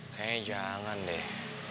kayaknya jangan deh